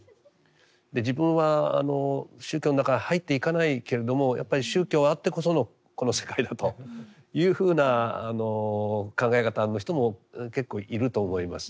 自分は宗教の中に入っていかないけれどもやっぱり宗教あってこそのこの世界だというふうな考え方の人も結構いると思います。